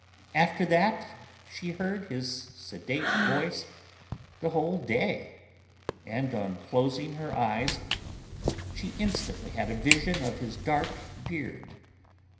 After that she heard his sedate voice the whole day; and on closing her eyes she instantly had a vision of his dark beard.